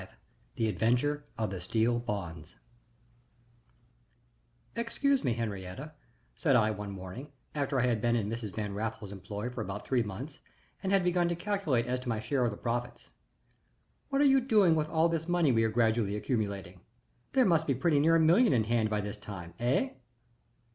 V THE ADVENTURE OF THE STEEL BONDS "Excuse me, Henriette," said I one morning, after I had been in Mrs. Van Raffles's employ for about three months and had begun to calculate as to my share of the profits. "What are you doing with all this money we are gradually accumulating? There must be pretty near a million in hand by this time eh?"